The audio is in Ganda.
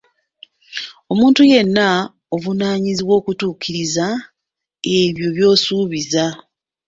Omuntu yenna ovunaanyizibwa okutuukiriza ebyo by'osuubiza.